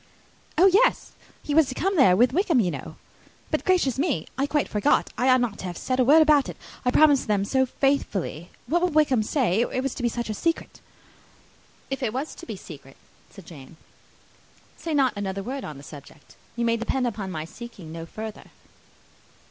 "Oh, yes! he was to come there with Wickham, you know. But, gracious me! I quite forgot! I ought not to have said a word about it. I promised them so faithfully! What will Wickham say? It was to be such a secret!" "If it was to be a secret," said Jane, "say not another word on the subject. You may depend upon my seeking no further."